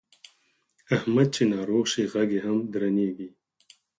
احمد چې ناروغ شي غږ یې هم درنېږي.